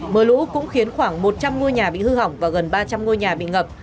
mưa lũ cũng khiến khoảng một trăm linh ngôi nhà bị hư hỏng và gần ba trăm linh ngôi nhà bị ngập